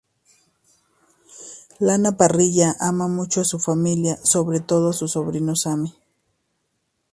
Lana Parrilla ama mucho a su familia, sobre todo a su sobrino Sammy.